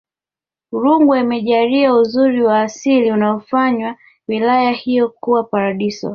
rungwe imejaliwa uzuri wa asili unayofanya wilaya hiyo kuwa paradiso